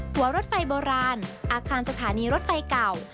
หัวรถไฟโบราณอาคารสถานีรถไฟเก่า